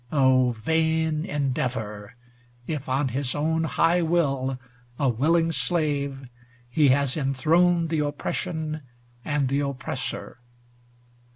Oh, vain endeavor ! If on his own high will, a willing slave, He has enthroned the oppression and the oppressor.